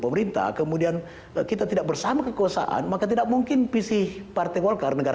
pemerintah kemudian kita tidak bersama kekuasaan maka tidak mungkin visi partai golkar negara